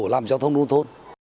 làm giao thông nông thôn